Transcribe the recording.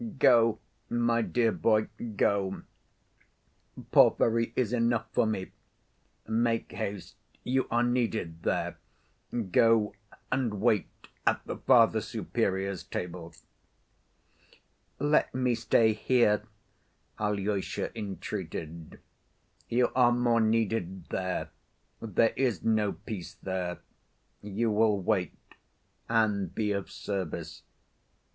"Go, my dear boy, go. Porfiry is enough for me. Make haste, you are needed there, go and wait at the Father Superior's table." "Let me stay here," Alyosha entreated. "You are more needed there. There is no peace there. You will wait, and be of service.